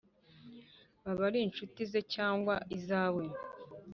baba ari inshuti ze cyangwa izawe,